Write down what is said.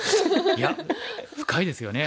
いや深いですよね。